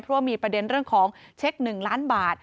เพราะว่ามีประเด็นเรื่องของเช็ค๑ล้านบาท